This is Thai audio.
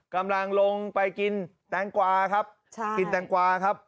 กำลังลงไปกินแตงกวาครับใช่กินแตงกวาครับ